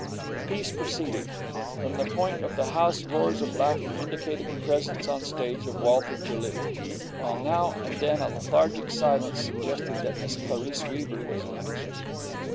The piece proceeded. From the front of the house roars of laughter indicated the presence on the stage of Walter Jelliffe, while now and then a lethargic silence suggested that Miss Clarice Weaver was in action.